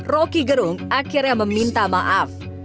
roky gerung akhirnya meminta maaf